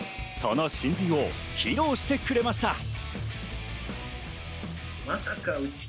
その真髄を披露してくれました。